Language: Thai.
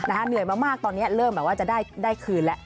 เหนื่อยมากตอนนี้เริ่มแบบว่าจะได้คืนแล้ว